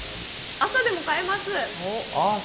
朝でも買えます。